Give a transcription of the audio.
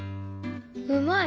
うまい！